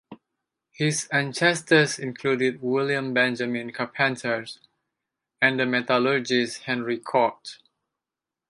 His ancestors included William Benjamin Carpenter and the metallurgist Henry Cort.